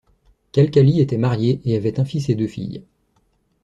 Khalkhali était marié et avait un fils et deux filles.